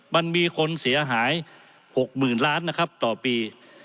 มันมีคนเสียหาย๖๐๐๐๐ล้านต่อปี